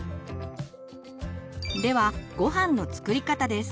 ではごはんの作り方です。